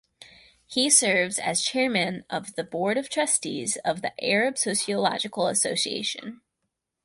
He serves as Chairman of the Board of Trustees of the Arab Sociological Association.